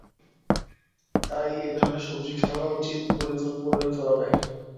তাই এ ধরনের সবজি খাওয়া উচিত পরিমিতভাবে।